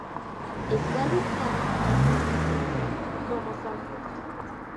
Está listado en el Domesday Book como "Salford".